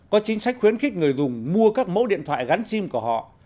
có chính sách khuyến khích người dùng mua các mẫu điện thoại gắn sim của họ